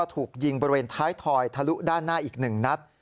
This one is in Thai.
ถูกยิงบริเวณท้ายถอยทะลุด้านหน้าอีก๑นัด